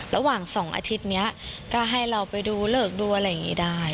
ระหว่าง๒อาทิตย์นี้ก็ให้เราไปดูเลิกดูอะไรอย่างนี้ได้